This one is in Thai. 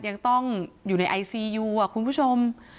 ยังต้องอยู่ในไอซียูคุณผู้ชม